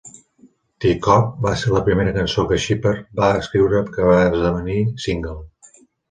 "Ty Cobb" va ser la primera cançó que Shepherd va escriure que va esdevenir single.